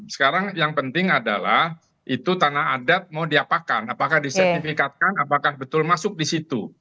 sekarang yang penting adalah itu tanah adat mau diapakan apakah disertifikatkan apakah betul masuk di situ